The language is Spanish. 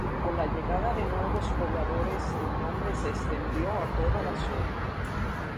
Con la llegada de nuevos pobladores el nombre se extendió a toda la zona.